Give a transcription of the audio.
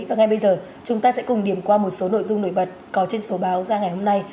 và ngay bây giờ chúng ta sẽ cùng điểm qua một số nội dung nổi bật có trên số báo ra ngày hôm nay